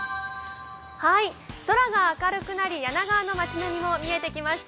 空が明るくなり柳川の町並みも見えてきました。